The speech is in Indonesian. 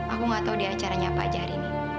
aku nggak tahu di acaranya apa aja hari ini